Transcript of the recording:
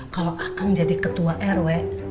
kalau akan jadi ketua rw